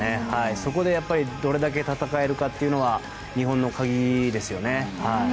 そこでどれだけ戦えるかというのは日本の鍵ですよね。